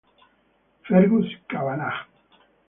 Fergus Kavanagh